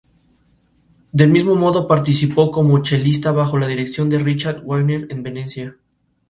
Del mismo modo, participó como chelista bajo la dirección de Richard Wagner en Venecia.